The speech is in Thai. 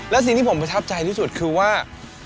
และสิ่งที่ผมประทับใจที่สุดคือว่า